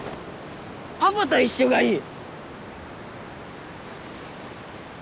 パパと一緒がいい！